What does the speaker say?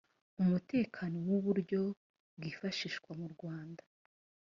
umutekano w uburyo bwifashishwa murwanda